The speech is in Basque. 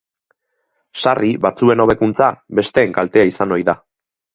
Sarri batzuen hobekuntza besteen kaltea izan ohi da.